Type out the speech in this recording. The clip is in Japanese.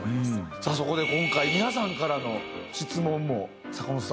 さあそこで今回皆さんからの質問も坂本さん